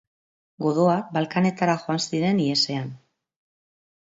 Godoak Balkanetara joan ziren ihesean.